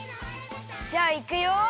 じゃあいくよ。